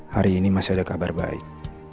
hari ini masih ada kabar baik